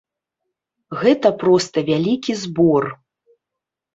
Гэта проста вялікі збор.